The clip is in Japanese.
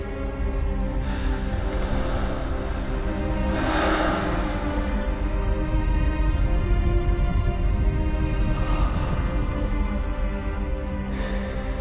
はあ。はあ。